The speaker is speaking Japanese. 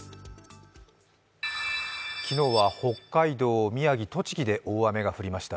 昨日は北海道、宮城、栃木で大雨が降りました。